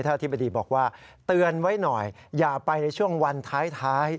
อธิบดีบอกว่าเตือนไว้หน่อยอย่าไปในช่วงวันท้าย